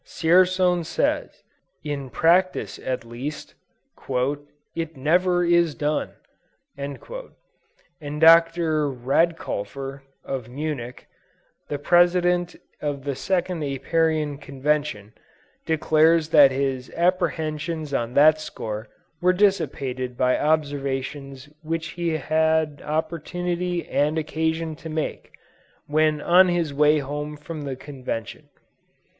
Dzierzon says, in practice at least, "it never is done;" and Dr. Radlkofer, of Munich, the President of the second Apiarian Convention, declares that his apprehensions on that score were dissipated by observations which he had opportunity and occasion to make, when on his way home from the Convention.